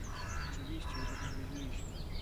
Oczywiście, już o tym wiedzieliśmy